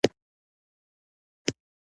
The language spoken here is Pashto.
نو ځکه ژوندلیک پر خارجي اصل ډېر توپیرېږي.